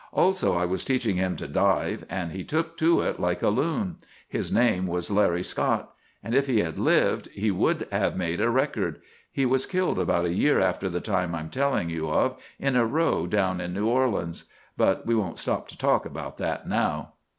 Also, I was teaching him to dive, and he took to it like a loon. His name was "Larry" Scott; and if he had lived, he would have made a record. He was killed about a year after the time I'm telling you of, in a row down in New Orleans. But we won't stop to talk about that now.